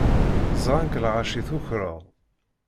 Zṛan-k lɣaci tukreḍ.